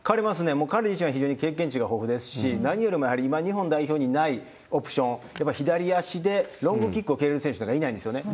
もう彼自身、非常に経験値が豊富ですし、何よりもやはり、今、日本代表にないオプション、やっぱり左足でロングキックを蹴れる選手っていないんですよね。